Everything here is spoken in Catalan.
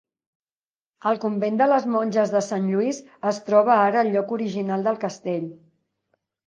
El Convent de les Monges de Sant Lluís es troba ara al lloc original del castell.